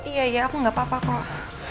iya aku gak apa apa pak